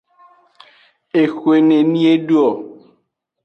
Exwe nene edo.